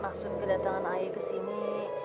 maksud kedatangan ayah kesini